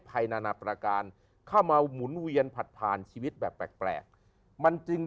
นานาประการเข้ามาหมุนเวียนผลัดผ่านชีวิตแบบแปลกมันจึง